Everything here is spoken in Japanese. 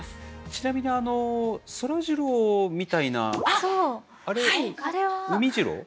ちなみにそらジローみたいなあれうみジロー？